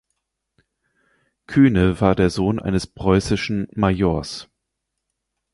Kühne war der Sohn eines preußischen Majors.